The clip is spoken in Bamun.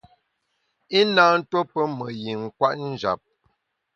I na tuo pe me yin kwet njap.